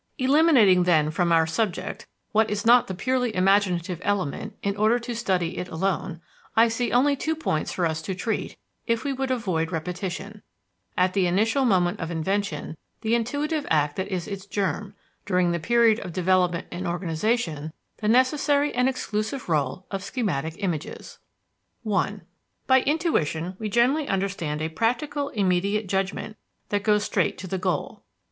Eliminating, then, from our subject, what is not the purely imaginative element in order to study it alone, I see only two points for us to treat, if we would avoid repetition at the initial moment of invention, the intuitive act that is its germ; during the period of development and organization, the necessary and exclusive rôle of schematic images. I By "intuition" we generally understand a practical, immediate judgment that goes straight to the goal.